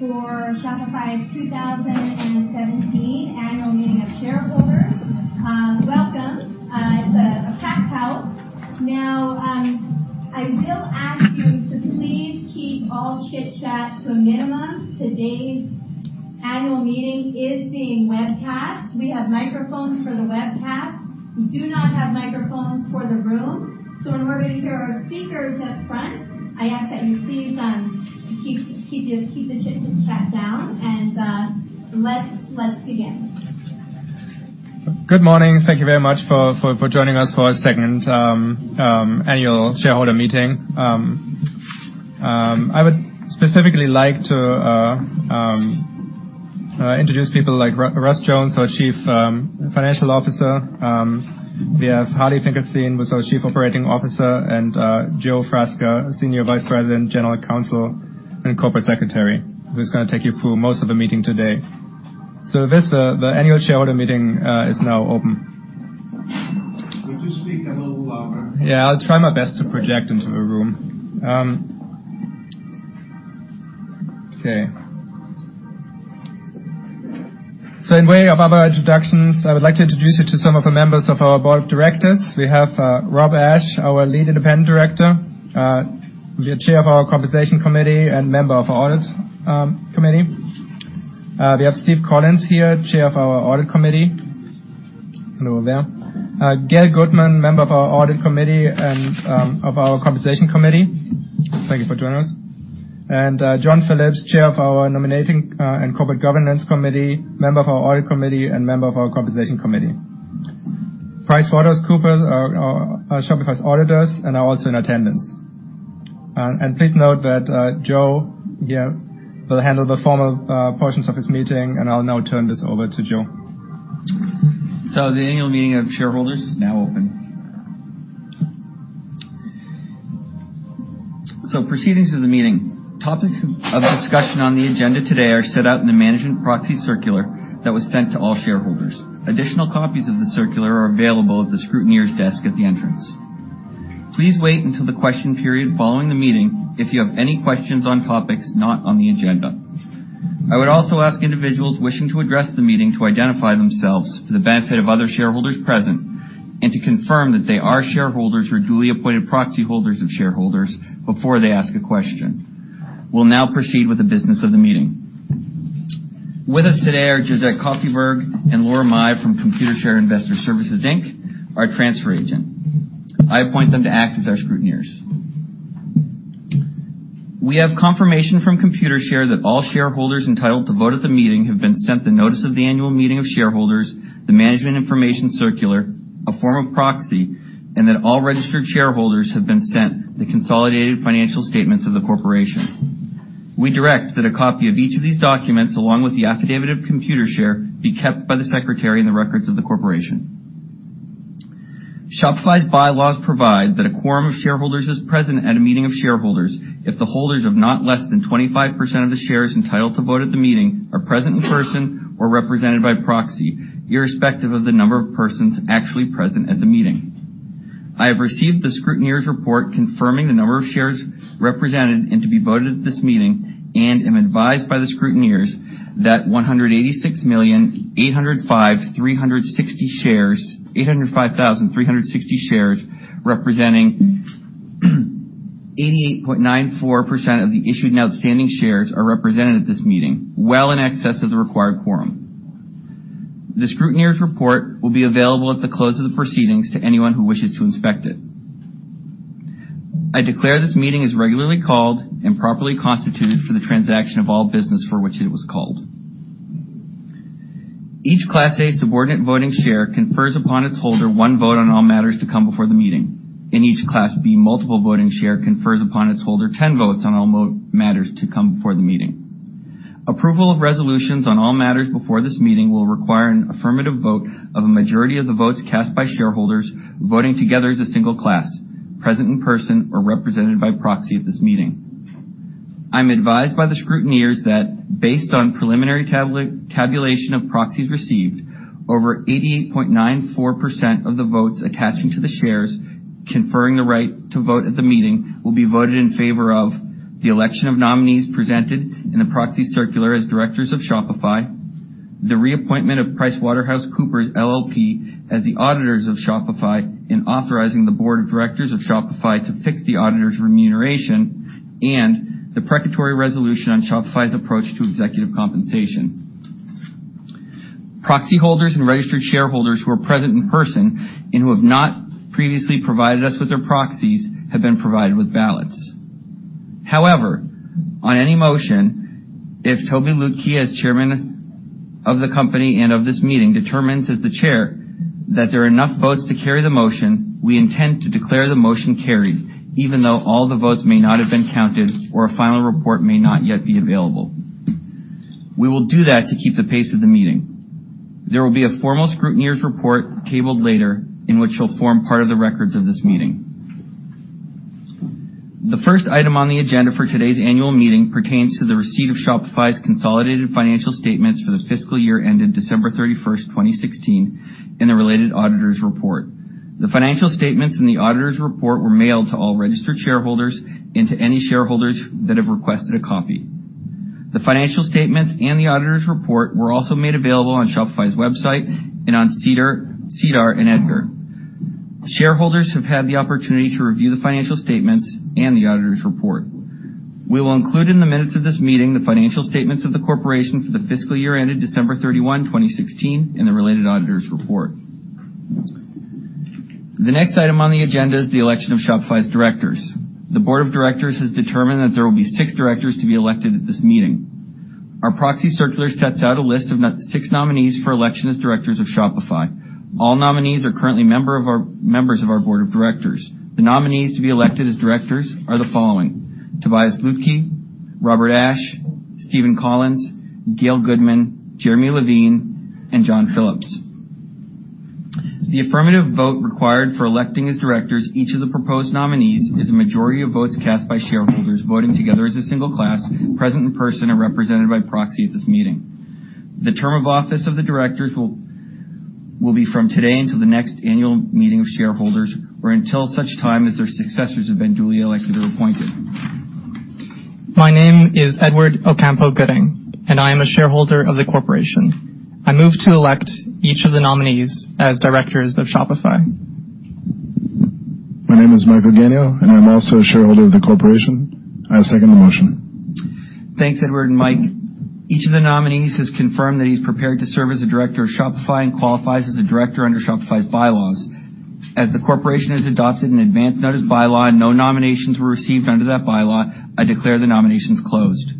Good morning. Welcome, everyone. Thank you for joining us for Shopify's 2017 Annual Meeting of Shareholders. Welcome. It is a packed house. Now, I will ask you to please keep all chitchat to a minimum. Today's annual meeting is being webcast. We have microphones for the webcast. We do not have microphones for the room. When we are going to hear our speakers up front, I ask that you please keep the chitchat down and let us begin. Good morning. Thank you very much for joining us for our second annual shareholder meeting. I would specifically like to introduce people like Russ Jones, our Chief Financial Officer. We have Harley Finkelstein, who is our Chief Operating Officer, and Joseph Frasca, Senior Vice President, General Counsel, and Corporate Secretary, who is going to take you through most of the meeting today. With this, the annual shareholder meeting is now open. Could you speak a little louder? Yeah, I will try my best to project into the room. Okay. In way of other introductions, I would like to introduce you to some of the members of our Board of Directors. We have Robert Ashe, our Lead Independent Director, the Chair of our Compensation Committee, and member of our Audit Committee. We have Steven Collins here, Chair of our Audit Committee. Hello there. Gail Goodman, member of our Audit Committee and of our Compensation Committee. Thank you for joining us. John Phillips, Chair of our Nominating and Corporate Governance Committee, member of our Audit Committee, and member of our Compensation Committee. PricewaterhouseCoopers are Shopify's auditors and are also in attendance. Please note that Joe here will handle the formal portions of his meeting, and I will now turn this over to Joe. The annual meeting of shareholders is now open. Proceedings of the meeting. Topics of discussion on the agenda today are set out in the management proxy circular that was sent to all shareholders. Additional copies of the circular are available at the scrutineers' desk at the entrance. Please wait until the question period following the meeting if you have any questions on topics not on the agenda. I would also ask individuals wishing to address the meeting to identify themselves for the benefit of other shareholders present, and to confirm that they are shareholders or duly appointed proxy holders of shareholders before they ask a question. We will now proceed with the business of the meeting. With us today are Josette Koffyberg and Laura Mai from Computershare Investor Services Inc., our transfer agent. I appoint them to act as our scrutineers. We have confirmation from Computershare that all shareholders entitled to vote at the meeting have been sent the notice of the annual meeting of shareholders, the management information circular, a form of proxy, and that all registered shareholders have been sent the consolidated financial statements of the corporation. We direct that a copy of each of these documents, along with the affidavit of Computershare, be kept by the secretary in the records of the corporation. Shopify's bylaws provide that a quorum of shareholders is present at a meeting of shareholders if the holders of not less than 25% of the shares entitled to vote at the meeting are present in-person or represented by proxy, irrespective of the number of persons actually present at the meeting. I have received the scrutineers' report confirming the number of shares represented and to be voted at this meeting, and am advised by the scrutineers that 186,805,360 shares representing 88.94% of the issued and outstanding shares are represented at this meeting, well in excess of the required quorum. The scrutineers' report will be available at the close of the proceedings to anyone who wishes to inspect it. I declare this meeting as regularly called and properly constituted for the transaction of all business for which it was called. Each Class A subordinate voting shares confers upon its holder one vote on all matters to come before the meeting, and each Class B multiple voting shares confers upon its holder 10 votes on all matters to come before the meeting. Approval of resolutions on all matters before this meeting will require an affirmative vote of a majority of the votes cast by shareholders voting together as a single class, present in-person or represented by proxy at this meeting. I'm advised by the scrutineers that based on preliminary tabulation of proxies received, over 88.94% of the votes attaching to the shares conferring the right to vote at the meeting will be voted in favor of the election of nominees presented in the proxy circular as directors of Shopify, the reappointment of PricewaterhouseCoopers LLP as the auditors of Shopify, and authorizing the board of directors of Shopify to fix the auditor's remuneration and the precatory resolution on Shopify's approach to executive compensation. Proxy holders and registered shareholders who are present in-person and who have not previously provided us with their proxies have been provided with ballots. On any motion, if Tobi Lütke, as chairman of the company and of this meeting, determines as the chair that there are enough votes to carry the motion, we intend to declare the motion carried, even though all the votes may not have been counted or a final report may not yet be available. We will do that to keep the pace of the meeting. There will be a formal scrutineers report tabled later in which will form part of the records of this meeting. The first item on the agenda for today's annual meeting pertains to the receipt of Shopify's consolidated financial statements for the fiscal year ended December 31st, 2016, and the related auditors' report. The financial statements in the auditors' report were mailed to all registered shareholders and to any shareholders that have requested a copy. The financial statements and the auditor's report were also made available on Shopify's website and on SEDAR and EDGAR. Shareholders have had the opportunity to review the financial statements and the auditor's report. We will include in the minutes of this meeting the financial statements of the corporation for the fiscal year ended December 31, 2016, and the related auditor's report. The next item on the agenda is the election of Shopify's directors. The board of directors has determined that there will be six directors to be elected at this meeting. Our proxy circular sets out a list of six nominees for election as directors of Shopify. All nominees are currently members of our board of directors. The nominees to be elected as directors are the following: Tobias Lütke, Robert Ashe, Steven Collins, Gail Goodman, Jeremy Levine, and John Phillips. The affirmative vote required for electing as directors each of the proposed nominees is a majority of votes cast by shareholders voting together as a single class, present in person or represented by proxy at this meeting. The term of office of the directors will be from today until the next Annual Meeting of Shareholders or until such time as their successors have been duly elected or appointed. My name is Edward Ocampo-Gooding, and I am a shareholder of the corporation. I move to elect each of the nominees as directors of Shopify. My name is Michael Gainey, and I'm also a shareholder of the corporation. I second the motion. Thanks, Edward and Mike Gainey. Each of the nominees has confirmed that he's prepared to serve as a director of Shopify and qualifies as a director under Shopify's bylaws. As the corporation has adopted an advance notice bylaw and no nominations were received under that bylaw, I declare the nominations closed.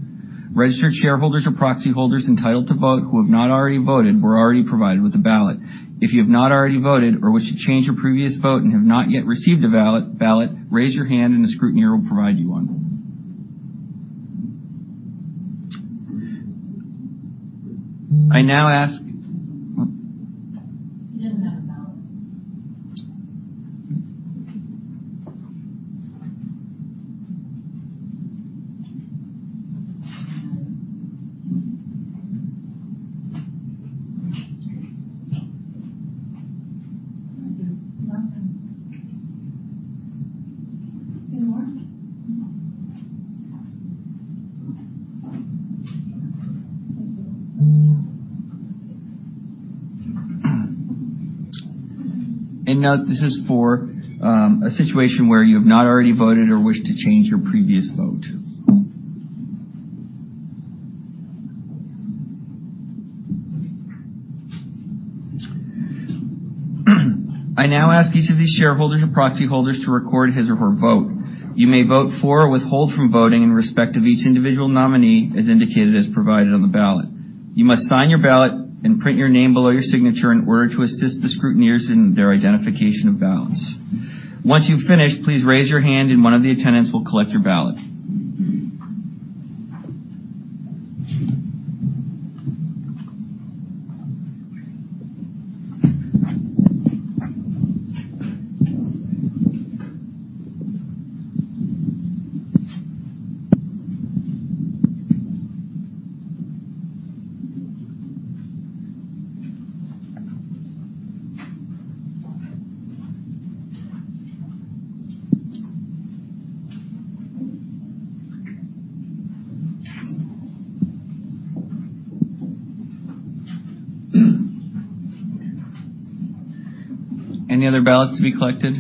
Registered shareholders or proxy holders entitled to vote who have not already voted were already provided with a ballot. If you have not already voted or wish to change your previous vote and have not yet received a ballot, raise your hand and the scrutineer will provide you one. I now ask- He doesn't have a ballot. Thank you. Welcome. Two more? Note, this is for a situation where you have not already voted or wish to change your previous vote. I now ask each of these shareholders or proxy holders to record his or her vote. You may vote for or withhold from voting in respect of each individual nominee as indicated as provided on the ballot. You must sign your ballot and print your name below your signature in order to assist the scrutineers in their identification of ballots. Once you've finished, please raise your hand and one of the attendants will collect your ballot. Any other ballots to be collected?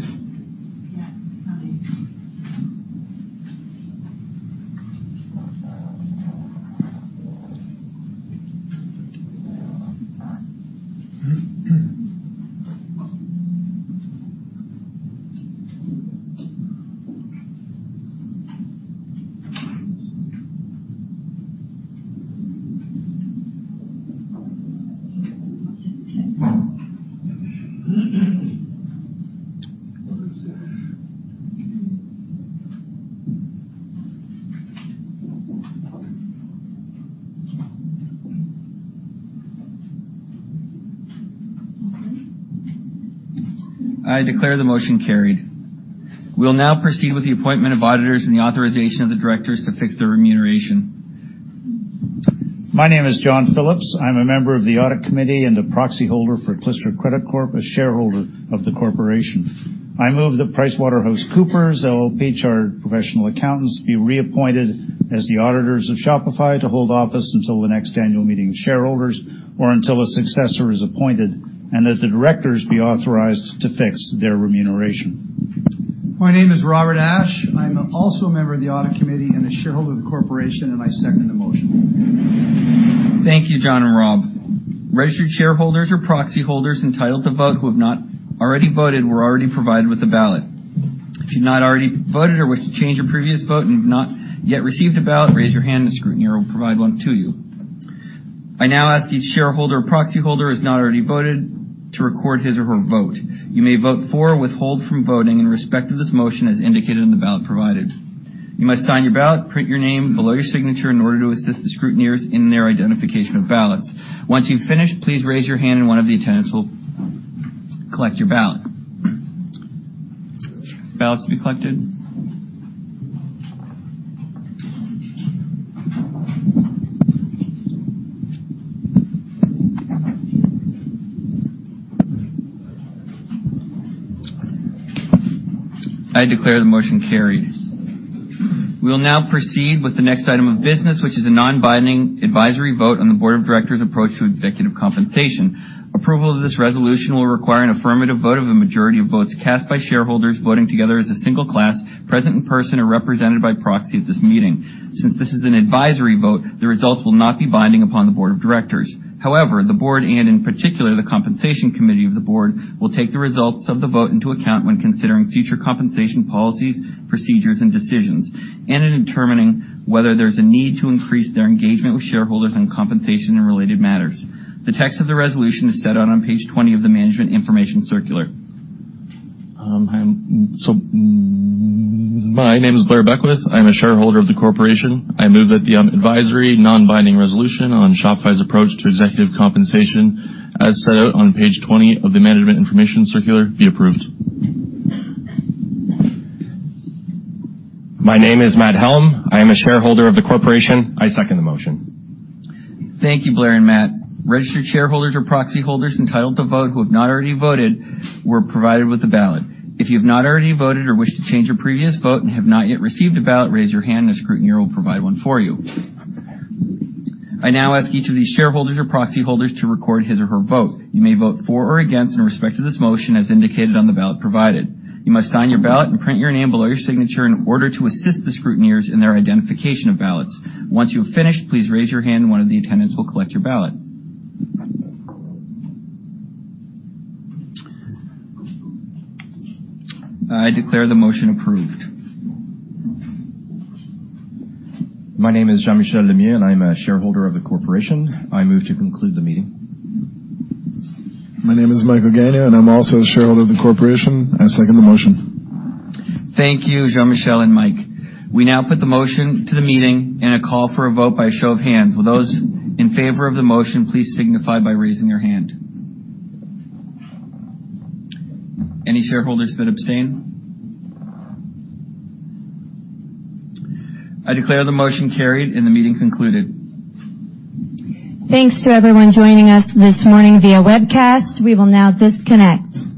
Yeah, coming. I declare the motion carried. We'll now proceed with the appointment of auditors and the authorization of the directors to fix their remuneration. My name is John Phillips. I'm a member of the audit committee and a proxy holder for Klister Credit Corp, a shareholder of the corporation. I move that PricewaterhouseCoopers LLP, Chartered Professional Accountants, be reappointed as the auditors of Shopify to hold office until the next annual meeting of shareholders or until a successor is appointed, and that the directors be authorized to fix their remuneration. My name is Robert Ashe. I'm also a member of the audit committee and a shareholder of the corporation. I second the motion. Thank you, John and Rob. Registered shareholders or proxy holders entitled to vote who have not already voted were already provided with a ballot. If you've not already voted or wish to change your previous vote and have not yet received a ballot, raise your hand, and the scrutineer will provide one to you. I now ask each shareholder or proxy holder who has not already voted to record his or her vote. You may vote for or withhold from voting in respect of this motion as indicated on the ballot provided. You must sign your ballot, print your name below your signature in order to assist the scrutineers in their identification of ballots. Once you've finished, please raise your hand and one of the attendants will collect your ballot. Ballots to be collected? I declare the motion carried. We'll now proceed with the next item of business, which is a non-binding advisory vote on the board of directors' approach to executive compensation. Approval of this resolution will require an affirmative vote of a majority of votes cast by shareholders voting together as a single class, present in person or represented by proxy at this meeting. Since this is an advisory vote, the results will not be binding upon the board of directors. However, the board, and in particular, the compensation committee of the board, will take the results of the vote into account when considering future compensation policies, procedures, and decisions, and in determining whether there's a need to increase their engagement with shareholders on compensation and related matters. The text of the resolution is set out on page 20 of the management information circular. My name is Blair Beckwith. I'm a shareholder of the corporation. I move that the advisory, non-binding resolution on Shopify's approach to executive compensation, as set out on page 20 of the management information circular, be approved. My name is Matt Helm. I am a shareholder of the corporation. I second the motion. Thank you, Blair and Matt. Registered shareholders or proxy holders entitled to vote who have not already voted were provided with a ballot. If you have not already voted or wish to change your previous vote and have not yet received a ballot, raise your hand and a scrutineer will provide one for you. I now ask each of these shareholders or proxy holders to record his or her vote. You may vote for or against in respect to this motion, as indicated on the ballot provided. You must sign your ballot and print your name below your signature in order to assist the scrutineers in their identification of ballots. Once you have finished, please raise your hand and one of the attendants will collect your ballot. I declare the motion approved. My name is Jean-Michel Lemieux, and I'm a shareholder of the corporation. I move to conclude the meeting. My name is Michael Gainey, and I'm also a shareholder of the corporation. I second the motion. Thank you, Jean-Michel and Mike. We now put the motion to the meeting and a call for a vote by a show of hands. Will those in favor of the motion please signify by raising your hand? Any shareholders that abstain? I declare the motion carried and the meeting concluded. Thanks to everyone joining us this morning via webcast. We will now disconnect.